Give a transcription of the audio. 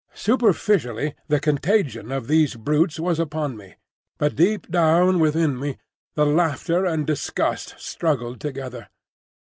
Superficially the contagion of these brutes was upon me, but deep down within me the laughter and disgust struggled together.